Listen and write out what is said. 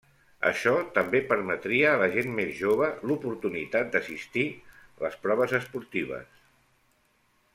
Això també permetria a la gent més jove l'oportunitat d'assistir les proves esportives.